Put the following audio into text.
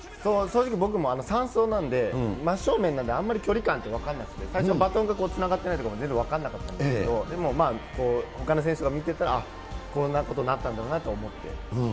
正直、僕も３走なんで、まっすぐなんであんまり距離感分からなくて、最初バトンがつながってないとか全然分かんなかったんですけど、でもまあ、ほかの選手が見てたら、こんなことになったんだなって。